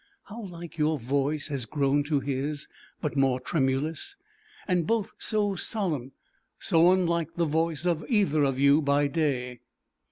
How like your voice has grown to his, but more tremulous, and both so solemn, so unlike the voice of either of you by day.